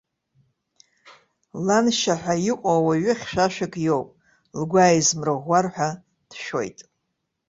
Ланшьа ҳәа иҟоу уаҩы хьшәашәак иоуп, лгәы ааизмырӷәӷәар ҳәа дшәоит.